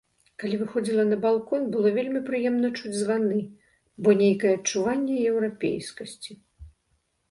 Калі выходзіла на балкон, было вельмі прыемна чуць званы, было нейкае адчуванне еўрапейскасці.